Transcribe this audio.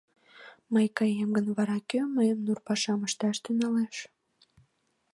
Мый каем гын, вара кӧ мыйын нур пашам ышташ тӱҥалеш?